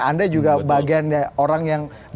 anda juga bagian orang yang